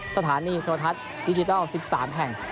สถานีโทรทัศน์ดิจิตอลสิบสามแห่ง